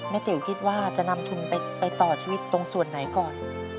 ติ๋วคิดว่าจะนำทุนไปต่อชีวิตตรงส่วนไหนก่อน